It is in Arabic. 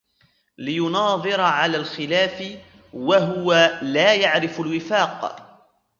لِيُنَاظِرَ عَلَى الْخِلَافِ وَهُوَ لَا يَعْرِفُ الْوِفَاقَ